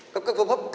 không có phong pháp